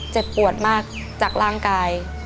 เจ็บปวดมากจากร่างกาย